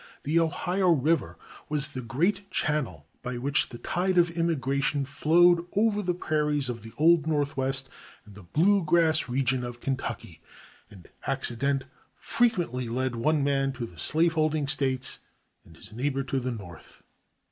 The Ohio River was the great channel by which the tide of immigration flowed over the prairies of the Old Northwest and the blue grass region of Kentucky; and accident frequently led one man to the slave holding States and his neighbor to the North.